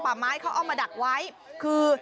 อ๋อถ้าเหมือนผู้โมควายเลย